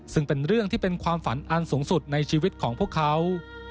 ซึ่งเป็นเรื่องที่เป็นความฝันอันสูงสุดในชีวิตของพวกเขา